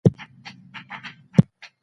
دولت د نظم وسيله ده.